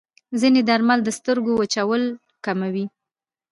ځینې درمل د سترګو وچوالی کموي.